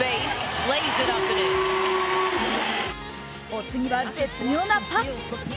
お次は絶妙なパス。